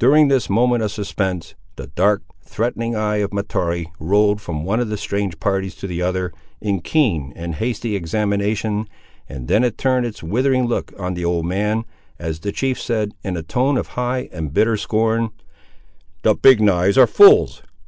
During this moment of suspense, the dark, threatening, eye of Mahtoree rolled from one of the strange parties to the other, in keen and hasty examination, and then it turned its withering look on the old man, as the chief said, in a tone of high and bitter scorn— "The Big knives are fools!